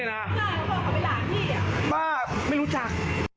บ้าวไม่รู้จัก